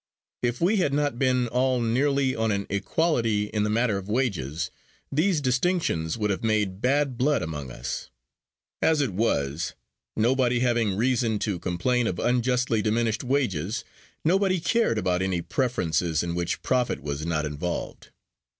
If we had not been all nearly on an equality in the matter of wages, these distinctions would have made bad blood among us. As it was, nobody having reason to complain of unjustly diminished wages, nobody cared about any preferences in which profit was not involved.